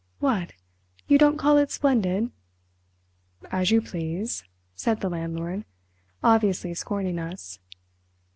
"What! you don't call it splendid!" "As you please," said the landlord, obviously scorning us.